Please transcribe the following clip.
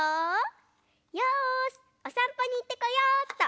よしおさんぽにいってこようっと。